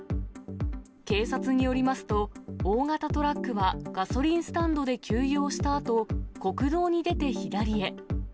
警察によりますと、大型トラックはガソリンスタンドで給油をしたあと、国道に出て、左へ。